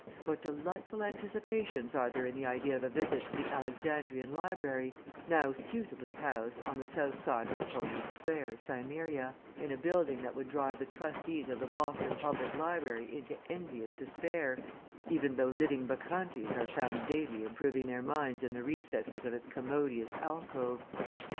What delightful anticipations are there in the idea of a visit to the Alexandrian library, now suitably housed on the south side of Apollyon Square, Cimmeria, in a building that would drive the trustees of the Boston Public Library into envious despair, even though living Bacchantes are found daily improving their minds in the recesses of its commodious alcoves!